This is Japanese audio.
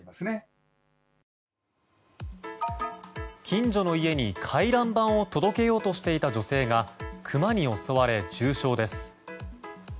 近所の家に回覧板を届けようとしていた女性がクマに襲われ重傷です。